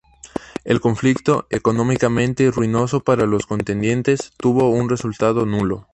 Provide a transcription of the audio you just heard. El conflicto, económicamente ruinoso para los contendientes, tuvo un resultado nulo.